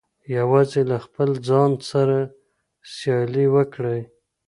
یوازې له خپل ځان سره سیالي وکړئ.